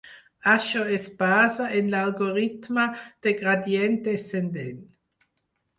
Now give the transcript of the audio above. Això es basa en l'algoritme de gradient descendent.